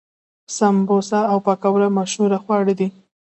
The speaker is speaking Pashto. سموسه او پکوړه مشهور خواړه دي.